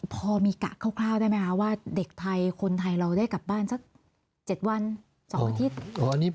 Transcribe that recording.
พอมีกะคร่าวได้ไหมคะว่าเด็กไทยคนไทยเราได้กลับบ้านสัก๗วัน๒อาทิตย์